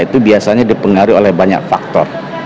itu biasanya dipengaruhi oleh banyak faktor